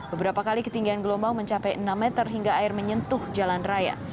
beberapa kali ketinggian gelombang mencapai enam meter hingga air menyentuh jalan raya